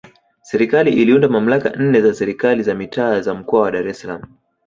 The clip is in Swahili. Serikali iliunda mamlaka nne za Serikali za Mitaa za Mkoa wa Dar es Salaam